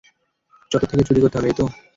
চত্বর থেকে চুরি করতে হবে, এই তো?